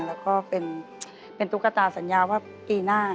แล้วก็เป็นตุ๊กตาสัญญาว่าปีหน้า